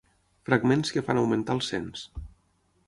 Fragments que fan augmentar el cens.